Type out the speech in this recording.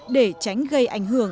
để tránh gây ảnh hưởng